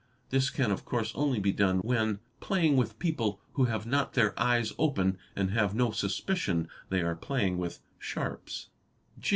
This can of course only be done when playing with people who have not their eyes open and have no suspicion _ they are playing with sharps.